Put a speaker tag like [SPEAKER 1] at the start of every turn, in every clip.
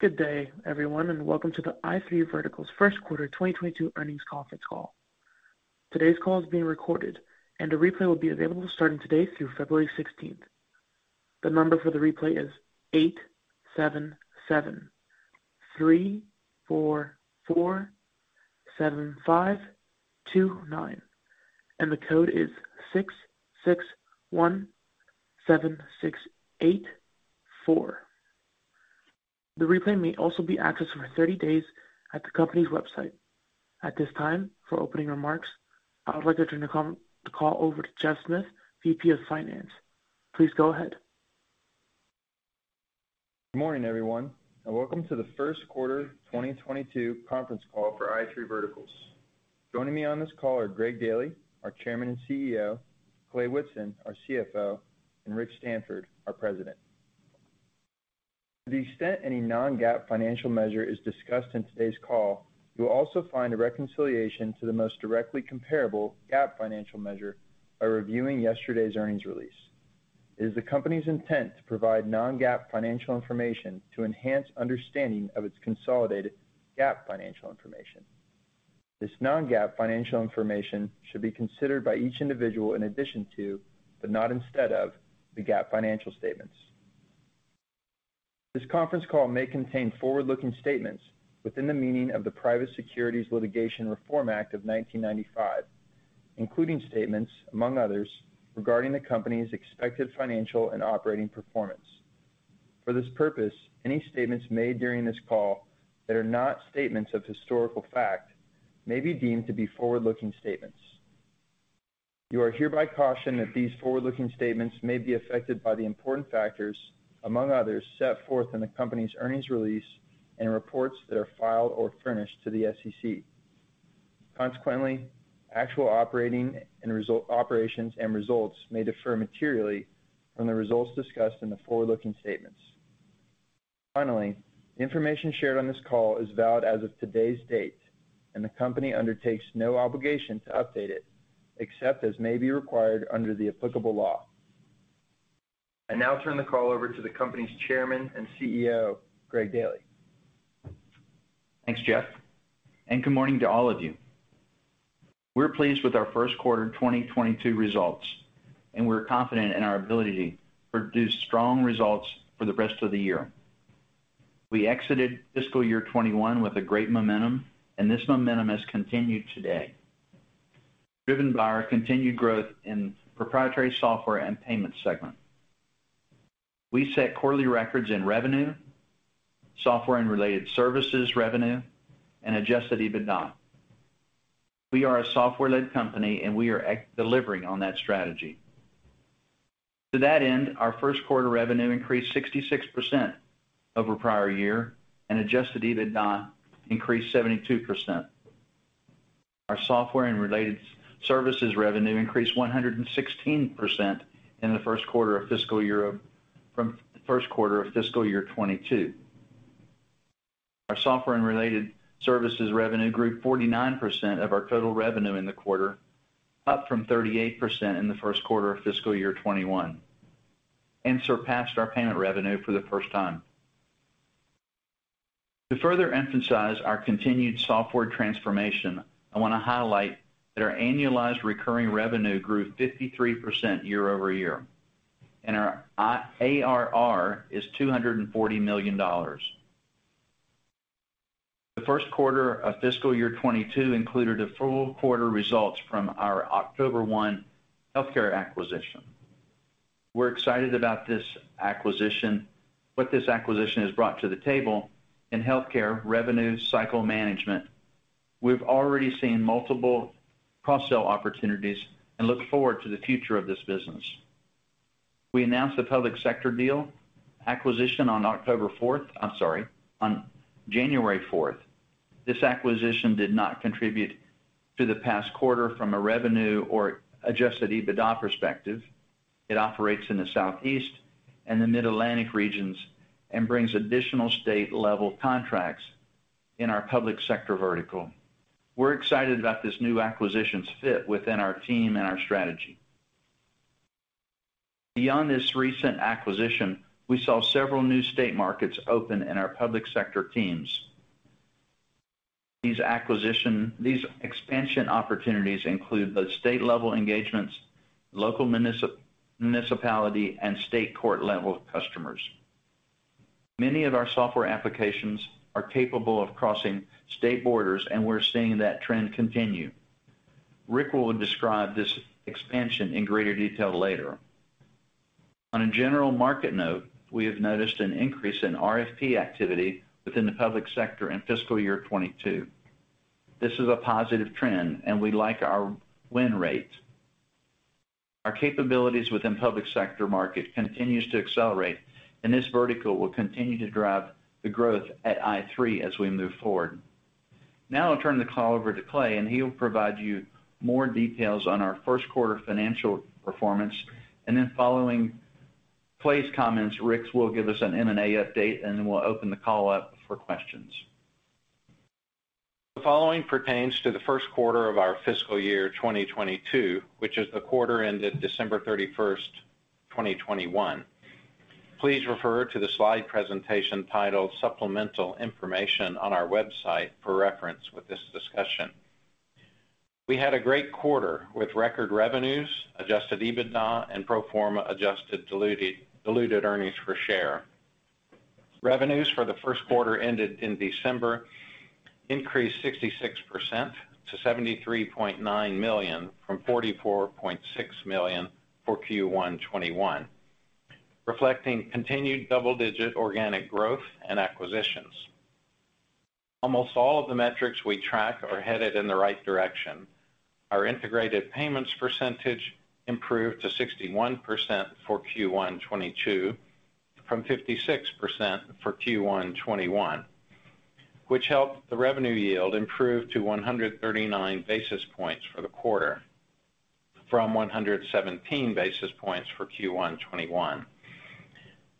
[SPEAKER 1] Good day, everyone, and welcome to the i3 Verticals first quarter 2022 earnings conference call. Today's call is being recorded and a replay will be available starting today through February 16th. The number for the replay is 877-344-7529, and the code is 661-7684. The replay may also be accessed for 30 days at the company's website. At this time, for opening remarks, I would like to turn the call over to Geoffrey Smith, VP of Finance. Please go ahead.
[SPEAKER 2] Good morning, everyone, and welcome to the first quarter 2022 conference call for i3 Verticals. Joining me on this call are Greg Daily, our Chairman and CEO, Clay Whitson, our CFO, and Rick Stanford, our President. To the extent any non-GAAP financial measure is discussed in today's call, you will also find a reconciliation to the most directly comparable GAAP financial measure by reviewing yesterday's earnings release. It is the company's intent to provide non-GAAP financial information to enhance understanding of its consolidated GAAP financial information. This non-GAAP financial information should be considered by each individual in addition to, but not instead of, the GAAP financial statements. This conference call may contain forward-looking statements within the meaning of the Private Securities Litigation Reform Act of 1995, including statements, among others, regarding the company's expected financial and operating performance. For this purpose, any statements made during this call that are not statements of historical fact may be deemed to be forward-looking statements. You are hereby cautioned that these forward-looking statements may be affected by the important factors, among others, set forth in the company's earnings release and reports that are filed or furnished to the SEC. Consequently, actual operations and results may differ materially from the results discussed in the forward-looking statements. Finally, the information shared on this call is valid as of today's date, and the company undertakes no obligation to update it except as may be required under the applicable law. I now turn the call over to the company's Chairman and CEO, Greg Daily.
[SPEAKER 3] Thanks, Geoffrey, and good morning to all of you. We're pleased with our first quarter 2022 results, and we're confident in our ability to produce strong results for the rest of the year. We exited fiscal year 2021 with a great momentum, and this momentum has continued today, driven by our continued growth in proprietary software and payment segment. We set quarterly records in revenue, software and related services revenue, and Adjusted EBITDA. We are a software-led company, and we are delivering on that strategy. To that end, our first quarter revenue increased 66% over prior year and Adjusted EBITDA increased 72%. Our software and related services revenue increased 116% in the first quarter of fiscal year from the first quarter of fiscal year 2022. Our software and related services revenue grew 49% of our total revenue in the quarter, up from 38% in the first quarter of fiscal year 2021, and surpassed our payment revenue for the first time. To further emphasize our continued software transformation, I wanna highlight that our annualized recurring revenue grew 53% year-over-year, and our ARR is $240 million. The first quarter of fiscal year 2022 included a full quarter results from our October 1 healthcare acquisition. We're excited about this acquisition, what this acquisition has brought to the table in healthcare revenue cycle management. We've already seen multiple cross-sell opportunities and look forward to the future of this business. We announced a public sector deal acquisition on January 4th. This acquisition did not contribute to the past quarter from a revenue or Adjusted EBITDA perspective. It operates in the Southeast and the Mid-Atlantic regions and brings additional state-level contracts in our public sector vertical. We're excited about this new acquisition's fit within our team and our strategy. Beyond this recent acquisition, we saw several new state markets open in our public sector teams. These expansion opportunities include both state-level engagements, local municipality, and state court-level customers. Many of our software applications are capable of crossing state borders, and we're seeing that trend continue. Rick will describe this expansion in greater detail later. On a general market note, we have noticed an increase in RFP activity within the public sector in fiscal year 2022. This is a positive trend, and we like our win rate. Our capabilities within public sector market continues to accelerate, and this vertical will continue to drive the growth at i3 Verticals as we move forward. Now I'll turn the call over to Clay, and he'll provide you more details on our first quarter financial performance. Following Clay's comments, Rick will give us an M&A update, and then we'll open the call up for questions.
[SPEAKER 4] The following pertains to the first quarter of our fiscal year 2022, which is the quarter ended December 31st, 2021. Please refer to the slide presentation titled Supplemental Information on our website for reference with this discussion. We had a great quarter with record revenues, Adjusted EBITDA and pro forma adjusted diluted earnings per share. Revenues for the first quarter ended in December increased 66% to $73.9 million from $44.6 million for Q1 2021, reflecting continued double-digit organic growth and acquisitions. Almost all of the metrics we track are headed in the right direction. Our integrated payments percentage improved to 61% for Q1 2022 from 56% for Q1 2021, which helped the revenue yield improve to 139 basis points for the quarter from 117 basis points for Q1 2021.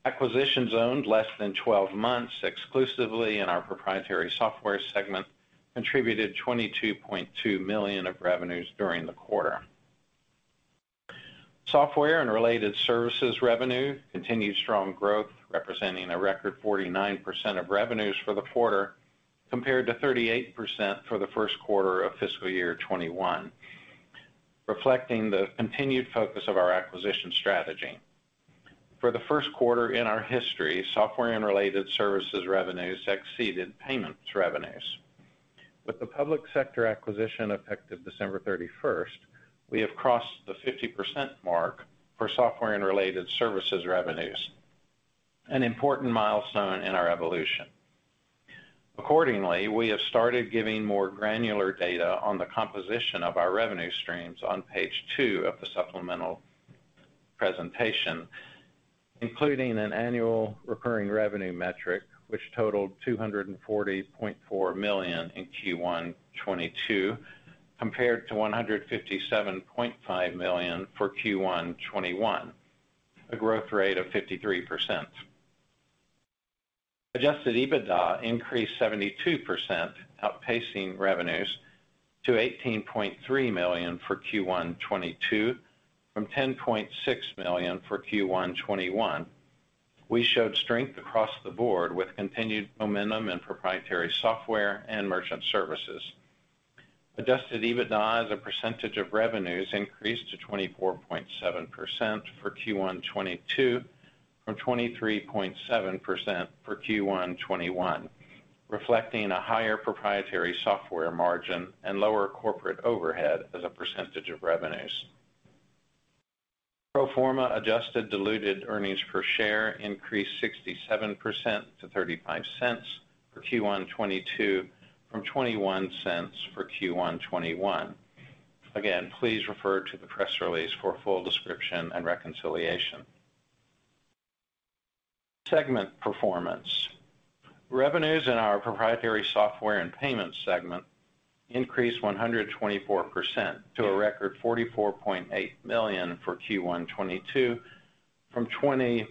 [SPEAKER 4] Acquisitions owned less than 12 months exclusively in our proprietary software segment contributed $22.2 million of revenues during the quarter. Software and related services revenue continued strong growth, representing a record 49% of revenues for the quarter, compared to 38% for the first quarter of fiscal year 2021, reflecting the continued focus of our acquisition strategy. For the first quarter in our history, software and related services revenues exceeded payments revenues. With the public sector acquisition effective December 31st, we have crossed the 50% mark for software and related services revenues, an important milestone in our evolution. Accordingly, we have started giving more granular data on the composition of our revenue streams on page two of the supplemental presentation, including an annual recurring revenue metric, which totaled $240.4 million in Q1 2022, compared to $157.5 million for Q1 2021, a growth rate of 53%. Adjusted EBITDA increased 72%, outpacing revenues to $18.3 million for Q1 2022 from $10.6 million for Q1 2021. We showed strength across the board with continued momentum in proprietary software and merchant services. Adjusted EBITDA as a percentage of revenues increased to 24.7% for Q1 2022 from 23.7% for Q1 2021, reflecting a higher proprietary software margin and lower corporate overhead as a percentage of revenues. Pro forma adjusted diluted earnings per share increased 67% to $0.35 for Q1 2022 from $0.21 for Q1 2021. Again, please refer to the press release for a full description and reconciliation. Segment performance. Revenues in our proprietary software and payments segment increased 124% to a record $44.8 million for Q1 2022 from $20.0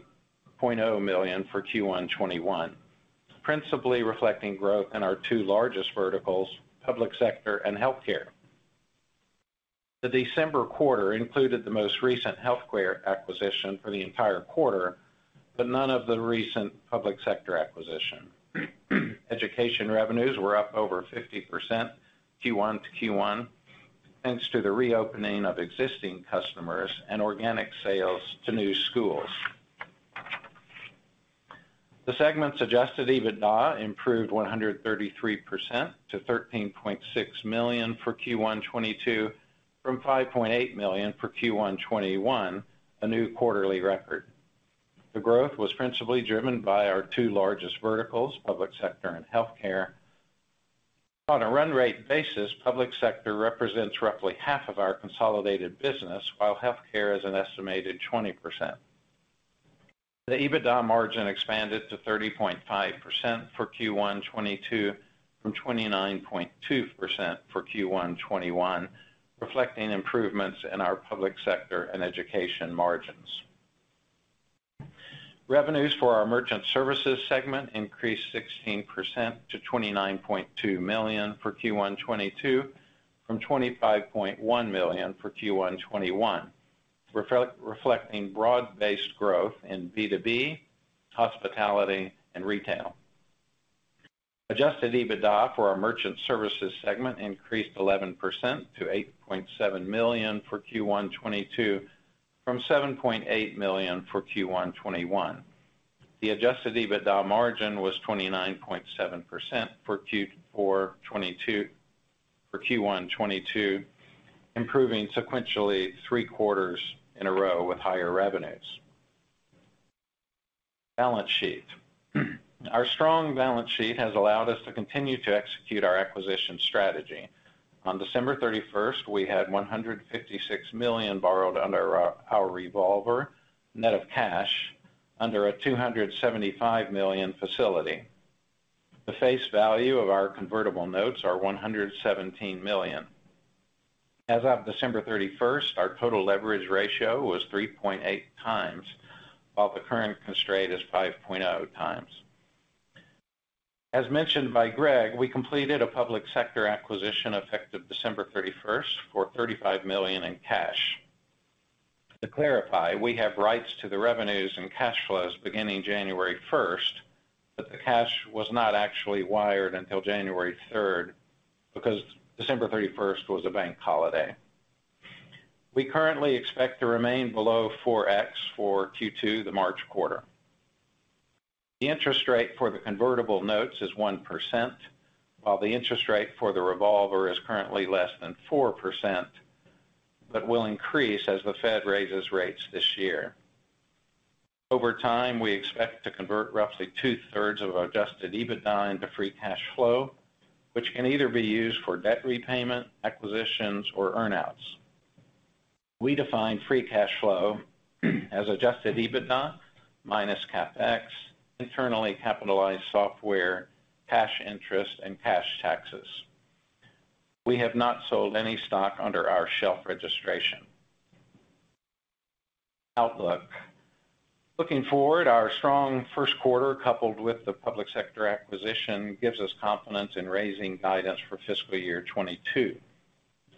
[SPEAKER 4] million for Q1 2021, principally reflecting growth in our two largest verticals, public sector and healthcare. The December quarter included the most recent healthcare acquisition for the entire quarter, but none of the recent public sector acquisition. Education revenues were up over 50% Q1 to Q1, thanks to the reopening of existing customers and organic sales to new schools. The segment's Adjusted EBITDA improved 133% to $13.6 million for Q1 2022 from $5.8 million for Q1 2021, a new quarterly record. The growth was principally driven by our two largest verticals, public sector and healthcare. On a run rate basis, public sector represents roughly half of our consolidated business, while healthcare is an estimated 20%. The EBITDA margin expanded to 30.5% for Q1 2022 from 29.2% for Q1 2021, reflecting improvements in our public sector and education margins. Revenues for our merchant services segment increased 16% to $29.2 million for Q1 2022 from $25.1 million for Q1 2021, reflecting broad-based growth in B2B, hospitality and retail. Adjusted EBITDA for our merchant services segment increased 11% to $8.7 million for Q1 2022 from $7.8 million for Q1 2021. The Adjusted EBITDA margin was 29.7% for Q1 2022, improving sequentially 3 quarters in a row with higher revenues. Balance sheet. Our strong balance sheet has allowed us to continue to execute our acquisition strategy. On December 31st, we had $156 million borrowed under our revolver net of cash under a $275 million facility. The face value of our convertible notes are $117 million. As of December 31st, our total leverage ratio was 3.8x, while the current constraint is 5.0x. As mentioned by Greg, we completed a public sector acquisition effective December 31st for $35 million in cash. To clarify, we have rights to the revenues and cash flows beginning January 1st, but the cash was not actually wired until January 3rd because December 31st was a bank holiday. We currently expect to remain below 4x for Q2, the March quarter. The interest rate for the convertible notes is 1%, while the interest rate for the revolver is currently less than 4%, but will increase as the Fed raises rates this year. Over time, we expect to convert roughly 2/3 of our Adjusted EBITDA into free cash flow, which can either be used for debt repayment, acquisitions, or earn outs. We define free cash flow as Adjusted EBITDA minus CapEx, internally capitalized software, cash interest, and cash taxes. We have not sold any stock under our shelf registration. Outlook. Looking forward, our strong first quarter, coupled with the public sector acquisition, gives us confidence in raising guidance for fiscal year 2022.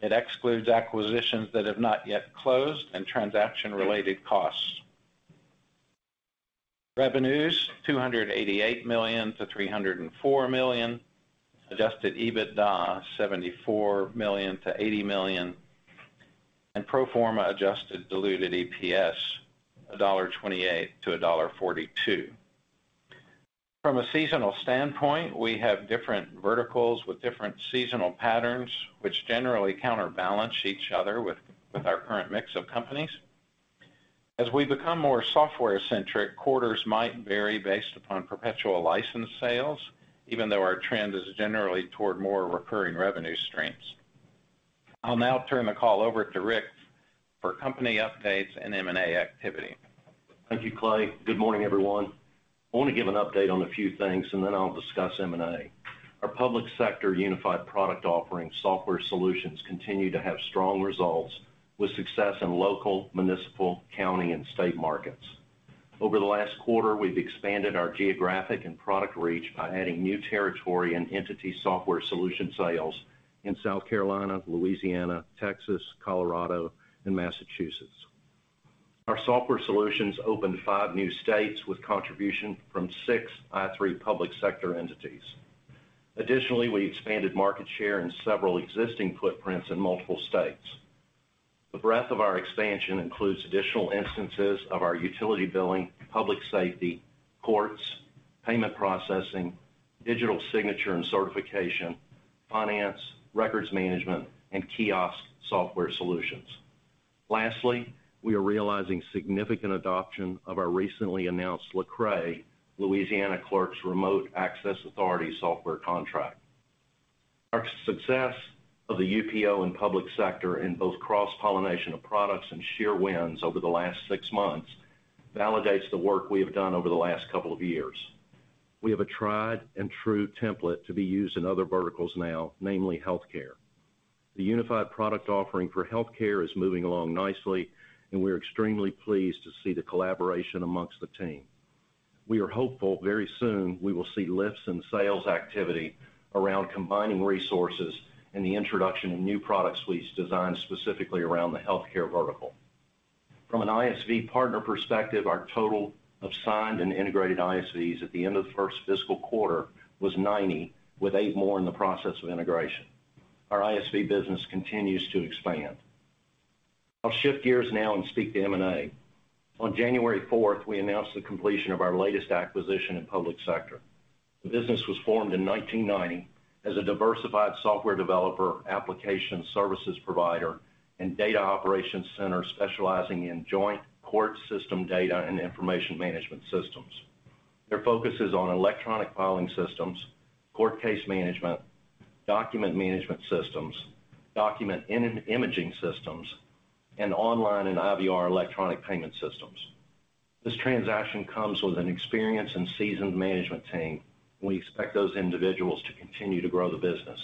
[SPEAKER 4] It excludes acquisitions that have not yet closed and transaction-related costs. Revenues, $288 million-$304 million. Adjusted EBITDA, $74 million-$80 million. Pro forma adjusted diluted EPS, $1.28-$1.42. From a seasonal standpoint, we have different verticals with different seasonal patterns, which generally counterbalance each other with our current mix of companies. As we become more software-centric, quarters might vary based upon perpetual license sales, even though our trend is generally toward more recurring revenue streams. I'll now turn the call over to Rick for company updates and M&A activity.
[SPEAKER 5] Thank you, Clay. Good morning, everyone. I want to give an update on a few things, and then I'll discuss M&A. Our public sector unified product offering software solutions continue to have strong results with success in local, municipal, county, and state markets. Over the last quarter, we've expanded our geographic and product reach by adding new territory and entity software solution sales in South Carolina, Louisiana, Texas, Colorado, and Massachusetts. Our software solutions opened five new states with contribution from six i3 public sector entities. Additionally, we expanded market share in several existing footprints in multiple states. The breadth of our expansion includes additional instances of our utility billing, public safety, courts, payment processing, digital signature and certification, finance, records management, and kiosk software solutions. Lastly, we are realizing significant adoption of our recently announced LCRAA, Louisiana Clerks' Remote Access Authority software contract. Our success of the UPO and public sector in both cross-pollination of products and sheer wins over the last six months validates the work we have done over the last couple of years. We have a tried and true template to be used in other verticals now, namely healthcare. The unified product offering for healthcare is moving along nicely, and we're extremely pleased to see the collaboration amongst the team. We are hopeful very soon we will see lifts in sales activity around combining resources and the introduction of new product suites designed specifically around the healthcare vertical. From an ISV partner perspective, our total of signed and integrated ISVs at the end of the first fiscal quarter was 90, with eight more in the process of integration. Our ISV business continues to expand. I'll shift gears now and speak to M&A. On January 4th, we announced the completion of our latest acquisition in public sector. The business was formed in 1990 as a diversified software developer, application services provider, and data operations center specializing in joint court system data and information management systems. Their focus is on electronic filing systems, court case management, document management systems, document imaging systems, and online and IVR electronic payment systems. This transaction comes with an experienced and seasoned management team. We expect those individuals to continue to grow the business.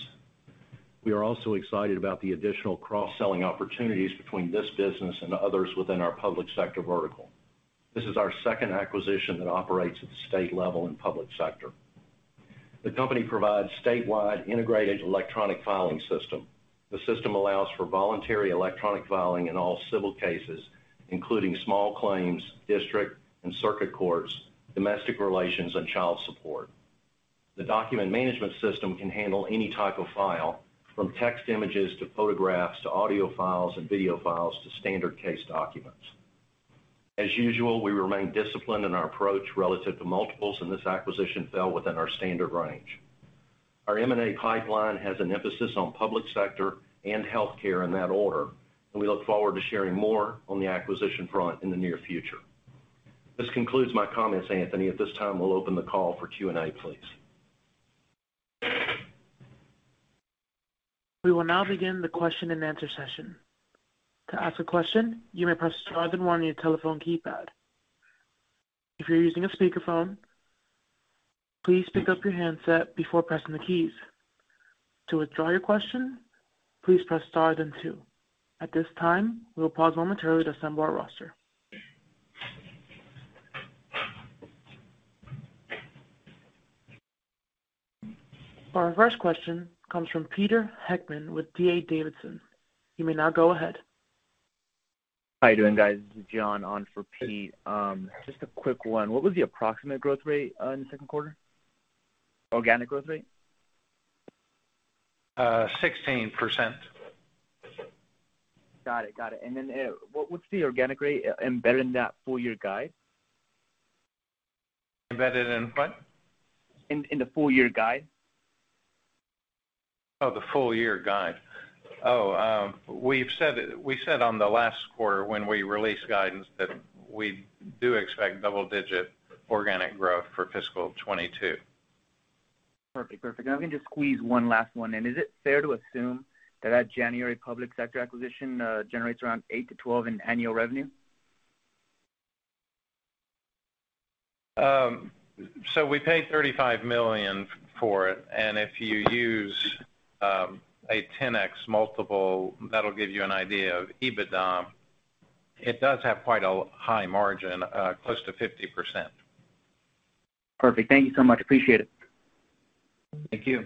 [SPEAKER 5] We are also excited about the additional cross-selling opportunities between this business and others within our public sector vertical. This is our second acquisition that operates at the state level in public sector. The company provides statewide integrated electronic filing system. The system allows for voluntary electronic filing in all civil cases, including small claims, district and circuit courts, domestic relations, and child support. The document management system can handle any type of file, from text images to photographs to audio files and video files to standard case documents. As usual, we remain disciplined in our approach relative to multiples, and this acquisition fell within our standard range. Our M&A pipeline has an emphasis on public sector and healthcare in that order, and we look forward to sharing more on the acquisition front in the near future. This concludes my comments, Anthony. At this time, we'll open the call for Q&A, please.
[SPEAKER 1] We will now begin the question-and-answer session. To ask a question, you may press star then one on your telephone keypad. If you're using a speakerphone, please pick up your handset before pressing the keys. To withdraw your question, please press star then two. At this time, we'll pause momentarily to assemble our roster. Our first question comes from Peter Heckmann with D.A. Davidson. You may now go ahead.
[SPEAKER 6] How you doing, guys? This is John on for Peter. Just a quick one. What was the approximate growth rate in the second quarter? Organic growth rate?
[SPEAKER 4] 16%.
[SPEAKER 6] Got it. What's the organic rate embedded in that full year guide?
[SPEAKER 4] Embedded in what?
[SPEAKER 6] In the full year guide.
[SPEAKER 4] Oh, the full year guide. Oh, we said on the last quarter when we released guidance that we do expect double-digit organic growth for fiscal 2022.
[SPEAKER 6] Perfect. If I can just squeeze one last one in. Is it fair to assume that January public sector acquisition generates around $8 million-$12 million in annual revenue?
[SPEAKER 4] We paid $35 million for it, and if you use a 10x multiple, that'll give you an idea of EBITDA. It does have quite a high margin, close to 50%.
[SPEAKER 6] Perfect. Thank you so much. Appreciate it.
[SPEAKER 4] Thank you.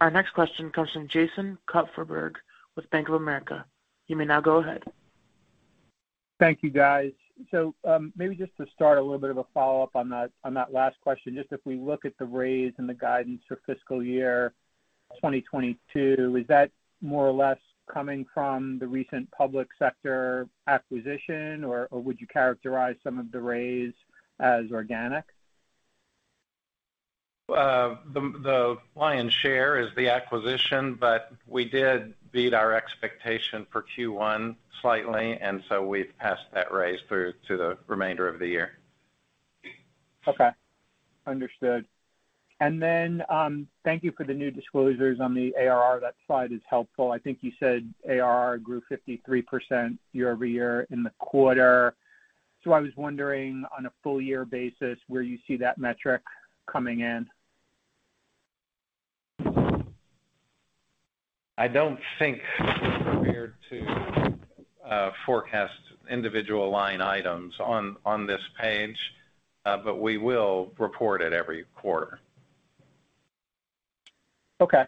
[SPEAKER 1] Our next question comes from Jason Kupferberg with Bank of America. You may now go ahead.
[SPEAKER 7] Thank you, guys. Maybe just to start a little bit of a follow-up on that last question, just if we look at the raise and the guidance for fiscal year 2022, is that more or less coming from the recent public sector acquisition, or would you characterize some of the raise as organic?
[SPEAKER 4] The lion's share is the acquisition, but we did beat our expectation for Q1 slightly, and so we've passed that raise through to the remainder of the year.
[SPEAKER 7] Okay. Understood. Thank you for the new disclosures on the ARR. That slide is helpful. I think you said ARR grew 53% year-over-year in the quarter. I was wondering, on a full year basis, where you see that metric coming in.
[SPEAKER 4] I don't think we're prepared to forecast individual line items on this page, but we will report it every quarter.
[SPEAKER 7] Okay.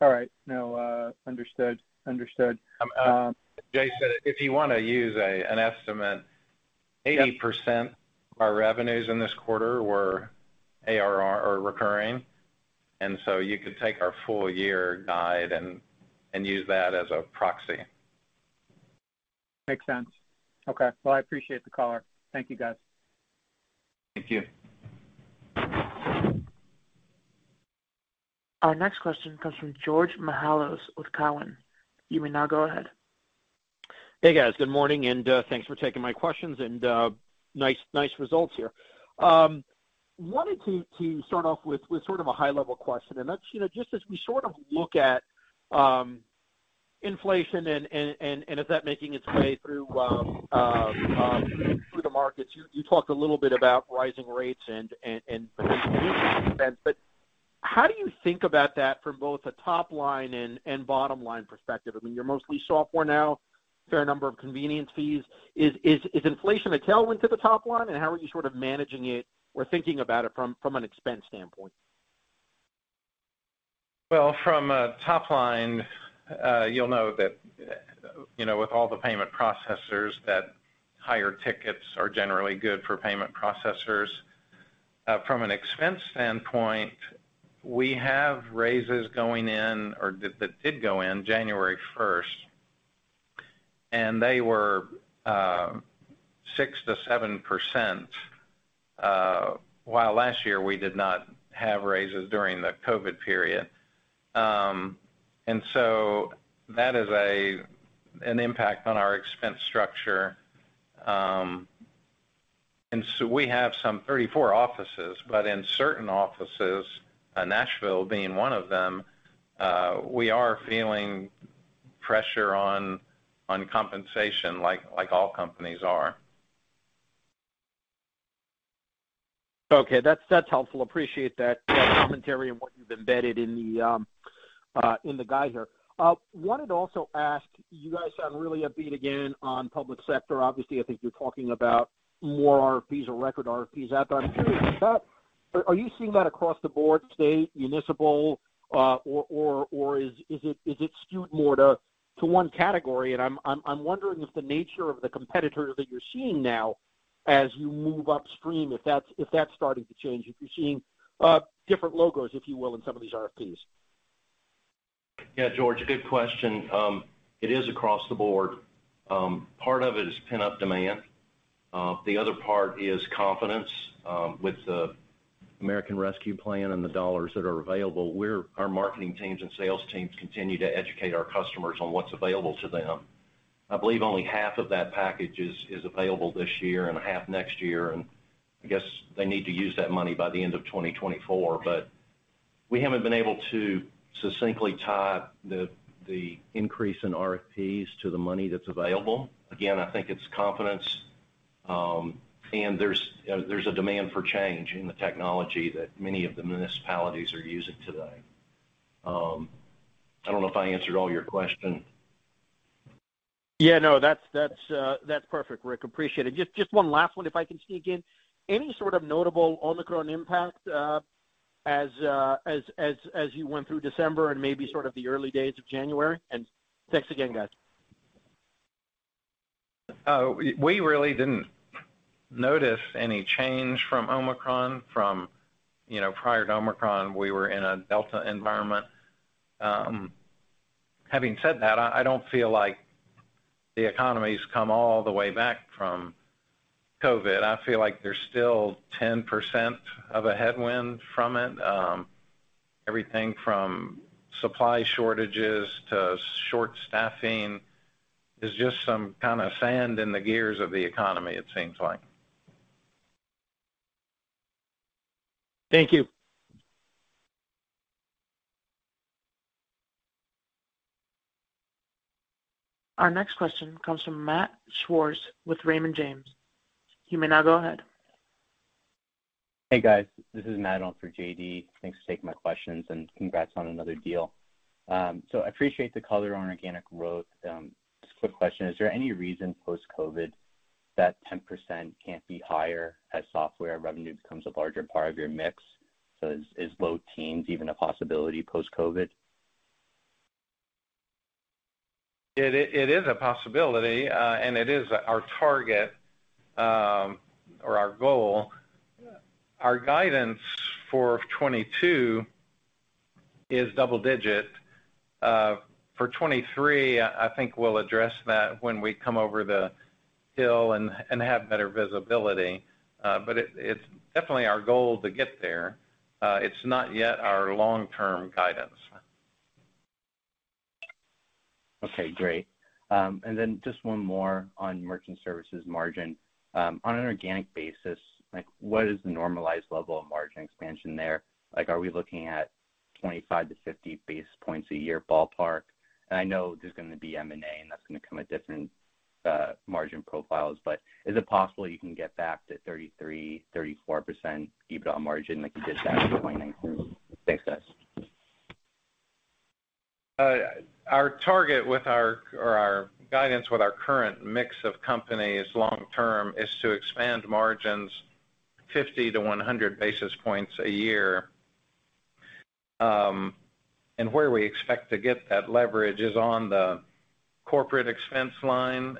[SPEAKER 7] All right. No, understood.
[SPEAKER 4] Jason, if you wanna use an estimate-
[SPEAKER 7] Yep.
[SPEAKER 4] 80% of our revenues in this quarter were ARR or recurring, and so you could take our full year guide and use that as a proxy.
[SPEAKER 7] Makes sense. Okay. Well, I appreciate the color. Thank you, guys.
[SPEAKER 4] Thank you.
[SPEAKER 1] Our next question comes from George Mihalos with Cowen. You may now go ahead.
[SPEAKER 8] Hey, guys. Good morning, and thanks for taking my questions and nice results here. Wanted to start off with sort of a high level question, and that's, you know, just as we sort of look at inflation and is that making its way through the markets. You talked a little bit about rising rates and increased expense, but how do you think about that from both a top line and bottom line perspective? I mean, you're mostly software now, fair number of convenience fees. Is inflation a tailwind to the top line, and how are you sort of managing it or thinking about it from an expense standpoint?
[SPEAKER 4] Well, from a top line, you'll know that, you know, with all the payment processors, that higher tickets are generally good for payment processors. From an expense standpoint, we have raises going in or that did go in January first, and they were 6%-7%, while last year we did not have raises during the COVID period. That is an impact on our expense structure. We have some 34 offices, but in certain offices, Nashville being one of them, we are feeling pressure on compensation like all companies are.
[SPEAKER 8] Okay. That's helpful. Appreciate that commentary and what you've embedded in the guide here. Wanted to also ask, you guys sound really upbeat again on public sector. Obviously, I think you're talking about more RFPs or record RFPs out there. I'm curious, are you seeing that across the board, state, municipal, or is it skewed more to one category. I'm wondering if the nature of the competitor that you're seeing now as you move upstream, if that's starting to change, if you're seeing different logos, if you will, in some of these RFPs.
[SPEAKER 5] Yeah, George, good question. It is across the board. Part of it is pent-up demand. The other part is confidence with the American Rescue Plan and the dollars that are available. Our marketing teams and sales teams continue to educate our customers on what's available to them. I believe only half of that package is available this year and half next year, and I guess they need to use that money by the end of 2024. We haven't been able to succinctly tie the increase in RFPs to the money that's available. Again, I think it's confidence, and there's a demand for change in the technology that many of the municipalities are using today. I don't know if I answered all your question.
[SPEAKER 8] Yeah, no, that's perfect, Rick. Appreciate it. Just one last one, if I can sneak in. Any sort of notable Omicron impact as you went through December and maybe sort of the early days of January? Thanks again, guys.
[SPEAKER 4] We really didn't notice any change from Omicron. You know, prior to Omicron, we were in a Delta environment. Having said that, I don't feel like the economy's come all the way back from COVID. I feel like there's still 10% of a headwind from it. Everything from supply shortages to short staffing is just some kind of sand in the gears of the economy, it seems like.
[SPEAKER 8] Thank you.
[SPEAKER 1] Our next question comes from Matt Schwarz with Raymond James. You may now go ahead.
[SPEAKER 9] Hey, guys. This is Matt on for JD. Thanks for taking my questions, and congrats on another deal. Appreciate the color on organic growth. Just a quick question. Is there any reason post-COVID that 10% can't be higher as software revenue becomes a larger part of your mix? Is low teens even a possibility post-COVID?
[SPEAKER 4] It is a possibility, and it is our target, or our goal. Our guidance for 2022 is double digit. For 2023, I think we'll address that when we come over the hill and have better visibility. But it's definitely our goal to get there. It's not yet our long-term guidance.
[SPEAKER 9] Okay, great. Just one more on merchant services margin. On an organic basis, like, what is the normalized level of margin expansion there? Like, are we looking at 25-50 basis points a year ballpark? I know there's gonna be M&A, and that's gonna come with different margin profiles, but is it possible you can get back to 33%-34% EBITDA margin like you did back in 2019? Thanks, guys.
[SPEAKER 4] Our guidance with our current mix of companies long term is to expand margins 50-100 basis points a year. Where we expect to get that leverage is on the corporate expense line,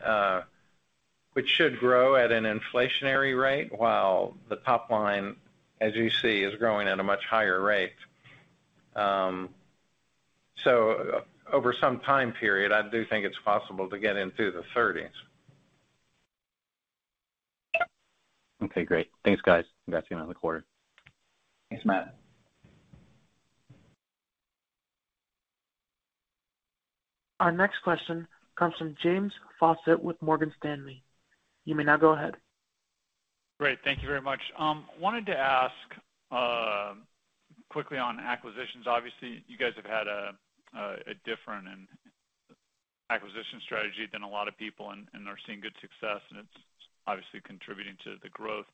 [SPEAKER 4] which should grow at an inflationary rate while the top line, as you see, is growing at a much higher rate. Over some time period, I do think it's possible to get into the 30s.
[SPEAKER 9] Okay, great. Thanks, guys. Congrats again on the quarter.
[SPEAKER 4] Thanks, Matt.
[SPEAKER 1] Our next question comes from James Faucette with Morgan Stanley. You may now go ahead.
[SPEAKER 10] Great. Thank you very much. Wanted to ask quickly on acquisitions. Obviously, you guys have had a different acquisition strategy than a lot of people and are seeing good success, and it's obviously contributing to the growth.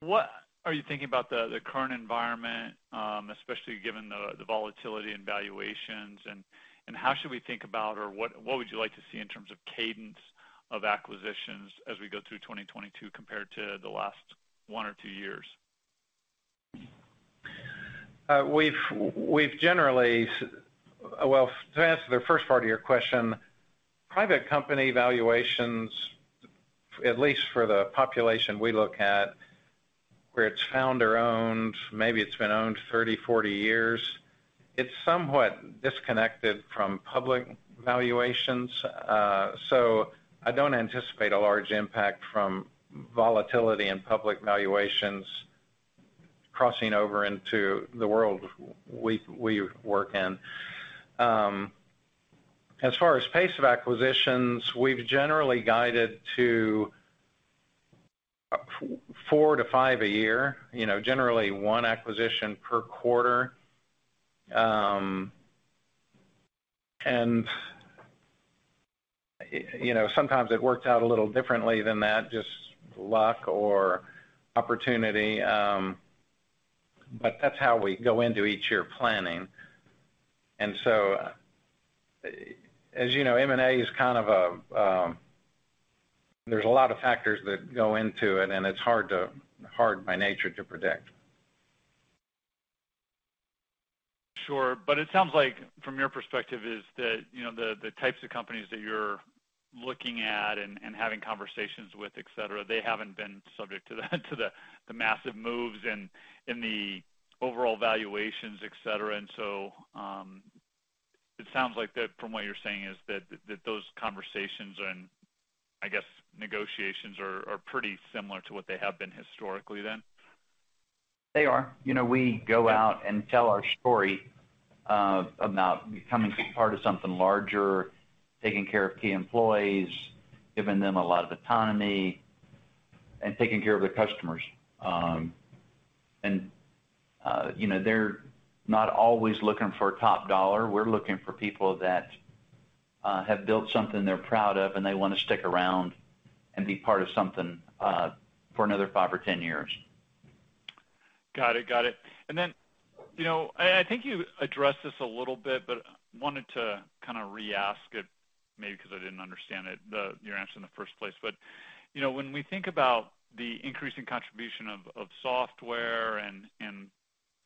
[SPEAKER 10] What are you thinking about the current environment, especially given the volatility and valuations, and how should we think about or what would you like to see in terms of cadence of acquisitions as we go through 2022 compared to the last one or two years?
[SPEAKER 4] We've generally. Well, to answer the first part of your question, private company valuations, at least for the population we look at, where it's founder-owned, maybe it's been owned 30, 40 years, it's somewhat disconnected from public valuations. So I don't anticipate a large impact from volatility and public valuations crossing over into the world we work in. As far as pace of acquisitions, we've generally guided to four to five a year. You know, generally one acquisition per quarter. You know, sometimes it worked out a little differently than that, just luck or opportunity. But that's how we go into each year planning. As you know, M&A is kind of a. There's a lot of factors that go into it, and it's hard by nature to predict.
[SPEAKER 10] Sure. It sounds like from your perspective is that, you know, the types of companies that you're looking at and having conversations with, et cetera, they haven't been subject to the massive moves in the overall valuations, et cetera. It sounds like that from what you're saying is that, those conversations and I guess negotiations are pretty similar to what they have been historically then?
[SPEAKER 4] They are. You know, we go out and tell our story about becoming part of something larger, taking care of key employees, giving them a lot of autonomy. Taking care of their customers. You know, they're not always looking for top dollar. We're looking for people that have built something they're proud of, and they wanna stick around and be part of something for another five or 10 years.
[SPEAKER 10] Got it. You know, and I think you addressed this a little bit, but wanted to kind of re-ask it maybe 'cause I didn't understand it, your answer in the first place. You know, when we think about the increasing contribution of software and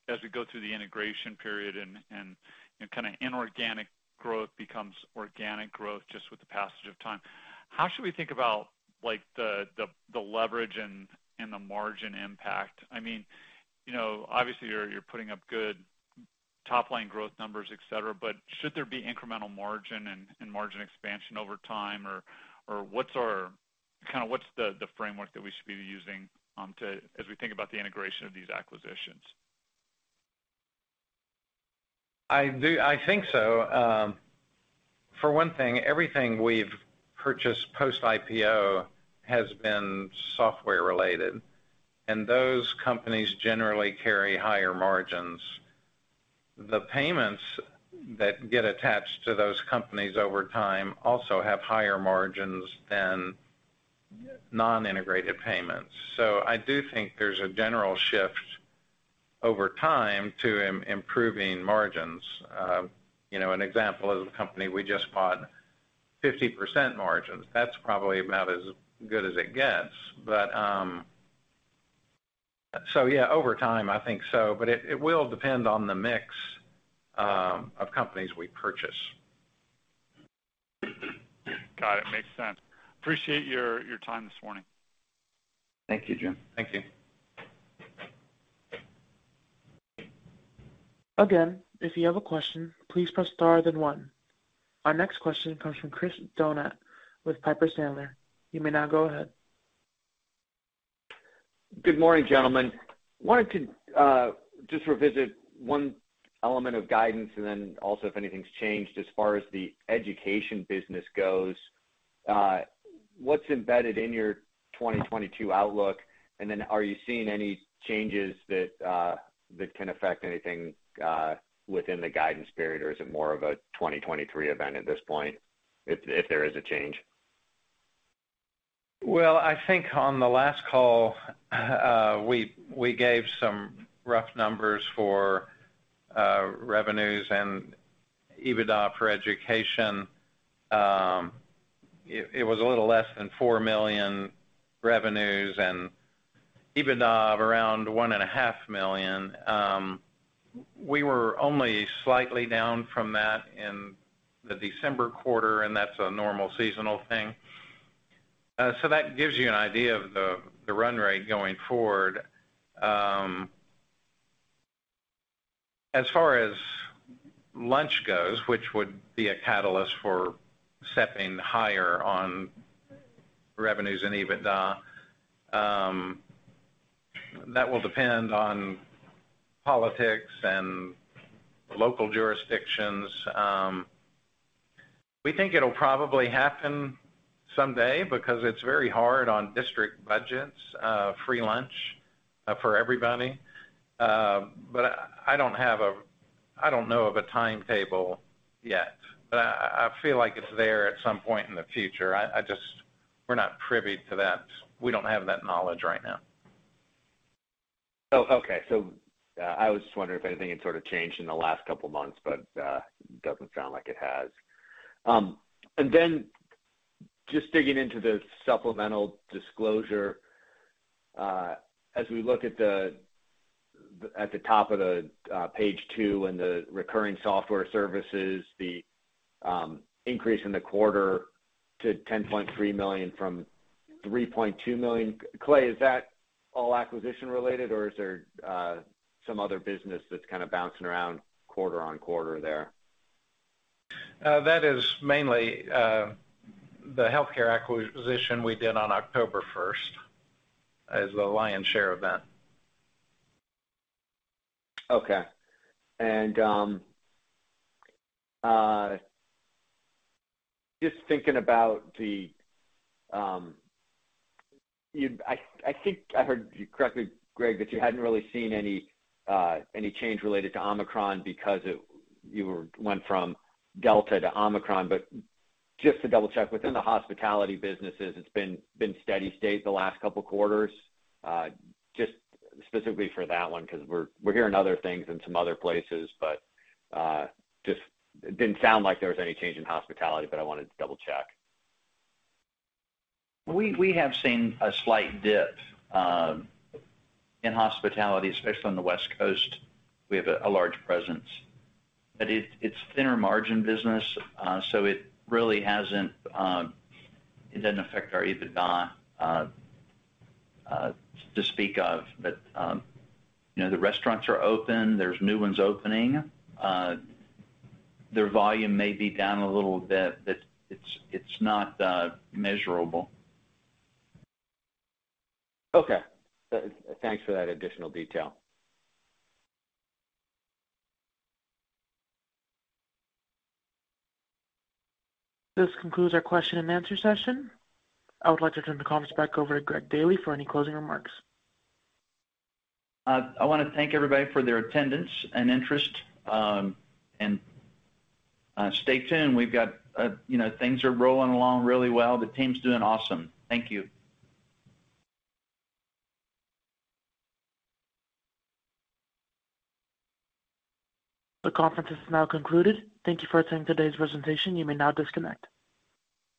[SPEAKER 10] as we go through the integration period and, you know, kind of inorganic growth becomes organic growth just with the passage of time, how should we think about like the leverage and the margin impact? I mean, you know, obviously you're putting up good top line growth numbers, et cetera, but should there be incremental margin and margin expansion over time? Or, what's our kind of what's the framework that we should be using as we think about the integration of these acquisitions?
[SPEAKER 4] I do. I think so. For one thing, everything we've purchased post-IPO has been software related, and those companies generally carry higher margins. The payments that get attached to those companies over time also have higher margins than non-integrated payments. I do think there's a general shift over time to improving margins. You know, an example is a company we just bought, 50% margins. That's probably about as good as it gets. Yeah, over time, I think so, but it will depend on the mix of companies we purchase.
[SPEAKER 10] Got it. Makes sense. Appreciate your time this morning.
[SPEAKER 4] Thank you, Jim.
[SPEAKER 10] Thank you.
[SPEAKER 1] Again, if you have a question, please press star, then one. Our next question comes from Chris Donat with Piper Sandler. You may now go ahead.
[SPEAKER 11] Good morning, gentlemen. I wanted to just revisit one element of guidance and then also if anything's changed as far as the education business goes. What's embedded in your 2022 outlook, and then are you seeing any changes that can affect anything within the guidance period? Or is it more of a 2023 event at this point if there is a change?
[SPEAKER 4] Well, I think on the last call, we gave some rough numbers for revenues and EBITDA for education. It was a little less than $4 million revenues and EBITDA of around $1.5 million. We were only slightly down from that in the December quarter, and that's a normal seasonal thing. That gives you an idea of the run rate going forward. As far as lunch goes, which would be a catalyst for stepping higher on revenues and EBITDA, that will depend on politics and local jurisdictions. We think it'll probably happen someday because it's very hard on district budgets, free lunch for everybody. I don't know of a timetable yet. I feel like it's there at some point in the future. I just. We're not privy to that. We don't have that knowledge right now.
[SPEAKER 11] Oh, okay. I was just wondering if anything had sort of changed in the last couple months, but doesn't sound like it has. Just digging into the supplemental disclosure, as we look at the top of page 2 and the recurring software services, the increase in the quarter to $10.3 million from $3.2 million. Clay, is that all acquisition related, or is there some other business that's kind of bouncing around quarter-over-quarter there?
[SPEAKER 4] That is mainly the healthcare acquisition we did on October 1st as the lion's share of that.
[SPEAKER 11] Okay. Just thinking about you, I think I heard you correctly, Greg, that you hadn't really seen any change related to Omicron because you went from Delta to Omicron. But just to double-check, within the hospitality businesses, it's been steady state the last couple quarters? Just specifically for that one, 'cause we're hearing other things in some other places, but just didn't sound like there was any change in hospitality, but I wanted to double-check.
[SPEAKER 4] We have seen a slight dip in hospitality, especially on the West Coast. We have a large presence. It's thinner margin business, so it doesn't affect our EBITDA to speak of. You know, the restaurants are open. There's new ones opening. Their volume may be down a little bit, but it's not measurable.
[SPEAKER 11] Okay. Thanks for that additional detail.
[SPEAKER 1] This concludes our question and answer session. I would like to turn the conference back over to Greg Daily for any closing remarks.
[SPEAKER 3] I wanna thank everybody for their attendance and interest. Stay tuned. We've got, you know, things are rolling along really well. The team's doing awesome. Thank you.
[SPEAKER 1] The conference is now concluded. Thank you for attending today's presentation. You may now disconnect.